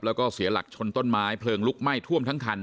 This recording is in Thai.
แล้วก็เสียหลักชนต้นไม้เพลิงลุกไหม้ท่วมทั้งคัน